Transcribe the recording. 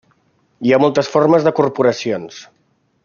Hi ha moltes formes de corporacions.